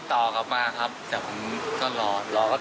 แต่ยืนยันว่าลูกค้าถูกรางวัลใหญ่๑๕ใบจริงและก็รับลอตเตอรี่ไปแล้วด้วยนะครับ